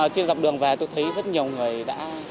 trên dọc đường về tôi thấy rất nhiều người đã